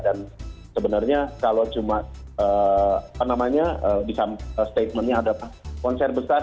dan sebenarnya kalau cuma apa namanya bisa statementnya ada konser besar